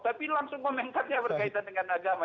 tapi langsung komentarnya berkaitan dengan agama